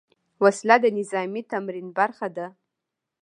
وسله د نظامي تمرین برخه ده